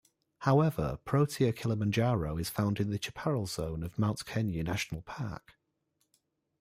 However, "Protea kilimanjaro" is found in the chaparral zone of Mount Kenya National Park.